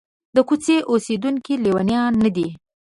د کوڅې اوسېدونکي لېونیان نه دي.